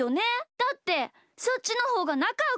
だってそっちのほうがなかよくなれるしね。